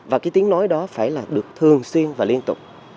và cái tiếng nói đó phải là được thường xuyên và liên tục